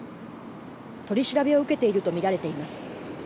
取り調べを受けていると見られています。